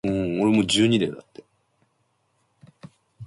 He attended Jesus College, Cambridge.